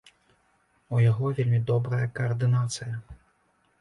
У яго вельмі добрая каардынацыя.